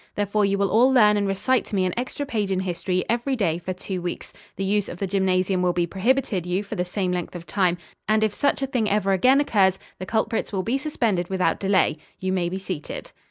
Therefore you will all learn and recite to me an extra page in history every day for two weeks. The use of the gymnasium will be prohibited you for the same length of time, and if such a thing ever again occurs, the culprits will be suspended without delay. You may be seated."